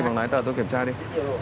vào đây làm việc đi